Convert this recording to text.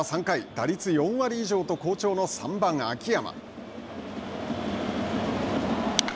打率４割以上と好調の３番、秋山。